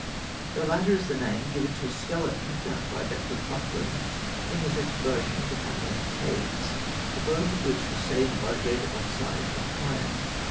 The latter is the name given a skeleton found by Dr. Buckland in his exploration of the Paviland caves, the bones of which were stained by red oxide of iron.